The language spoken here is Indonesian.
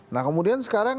nah kemudian sekarang